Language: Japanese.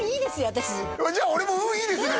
私じゃあ俺も運いいですね